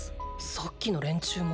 さっきの連中も。